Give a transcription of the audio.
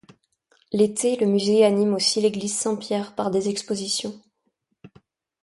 L’été, le musée anime ainsi l'église Saint-Pierre par des expositions.